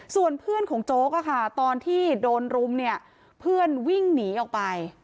ส่วนเพื่อนของโจ๊กตอนที่โดนรุมเนี่ยเพื่อนวิ่งหนีออกไป